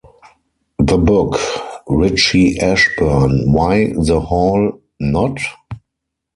The book, Richie Ashburn: Why The Hall Not?